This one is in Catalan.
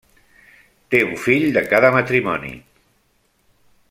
Té un fill de cada matrimoni.